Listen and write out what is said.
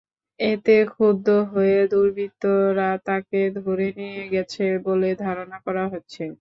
এতে ক্ষুব্ধ হয়ে দুর্বৃত্তরা তাঁকে ধরে নিয়ে গেছে বলে ধারণা করা হচ্ছে।